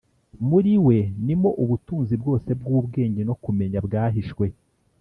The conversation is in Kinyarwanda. Muri we ni mo ubutunzi bwose bw’ubwenge no kumenya bwahishwe.